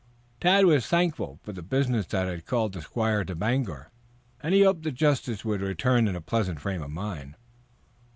Tad was thankful for the business that had called the squire to Bangor, and he hoped the justice would return in a pleasant frame of mind.